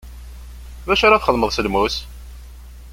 D acu ara txedmeḍ s lmus?